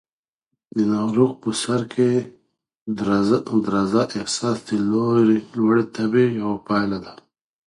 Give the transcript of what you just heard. د ناروغ په سر کې د درزا احساس د لوړې تبې یوه پایله ده.